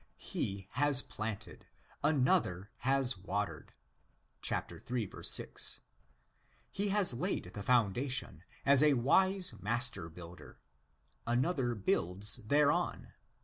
He has planted, another has watered (111. 6). He has laid the foundation as a wise master builder ; another builds thereon (ii.